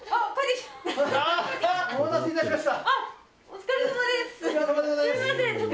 お疲れさまです！